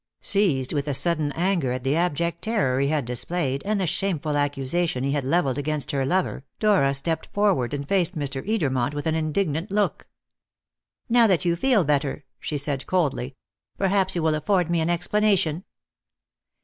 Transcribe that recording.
Seized with a sudden anger at the abject terror he had displayed, at the shameful accusation he had levelled against her lover, Dora stepped forward and faced Mr. Edermont with an indignant look. "Now that you feel better," she said coldly, "perhaps you will afford me an explanation."